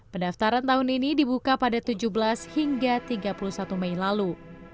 pendaftaran tahun ini dibuka pada tujuh belas hingga tiga puluh satu mei lalu